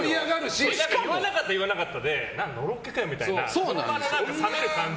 言わなかったら言わなかったでのろけかよみたいなその場が冷める感じ。